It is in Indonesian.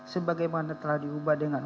sebagaimana telah diubah dengan